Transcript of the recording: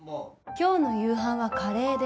今日の夕飯はカレーで。